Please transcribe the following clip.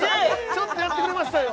ちょっとやってくれましたよ！